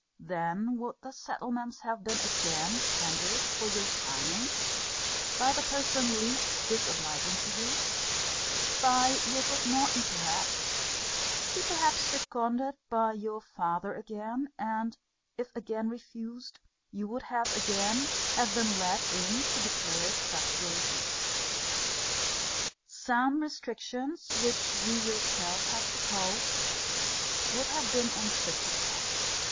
Then would the settlements have been again tendered for your signing, by the person least disobliging to you; by your good Norton perhaps; she perhaps seconded by your father again; and, if again refused, you would have again have been led in to declare such your refusal. Some restrictions which you yourself had proposed, would have been insisted upon.